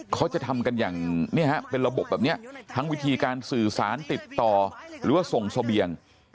เขาจะทำกันอย่างเป็นระบบแบบนี้ทั้งวิธีการสื่อสารติดต่อหรือว่าส่งเสบียง